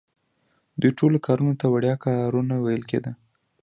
دې ټولو کارونو ته وړیا کارونه ویل کیده.